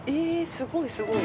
すごい、すごい」